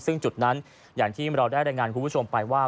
ซึ่งจุดนั้นอย่างที่เราได้รายงานคุณผู้ชมไปว่า